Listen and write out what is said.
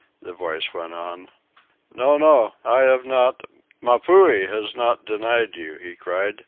the voice went on. "No, no, I have not Mapuhi has not denied you," he cried.